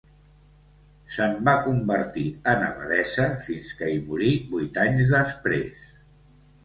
Se'n va convertir en abadessa fins que hi morí vuit anys després.